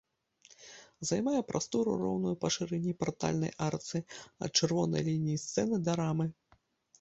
Займае прастору, роўную па шырыні партальнай арцы, ад чырвонай лініі сцэны да рампы.